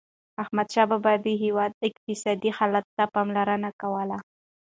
احمدشاه بابا د هیواد اقتصادي حالت ته پاملرنه کوله.